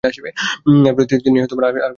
এরপর আর তিনি কোন টেস্টে অংশগ্রহণ করেননি।